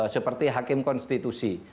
seperti hakim konstitusi